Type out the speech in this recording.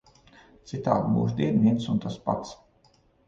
Citādi mūždien viens un tas pats.